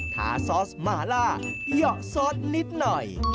ทาซอสมาล่าเหยาะซอสนิดหน่อย